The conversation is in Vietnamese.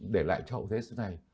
để lại cho hậu thế sứ này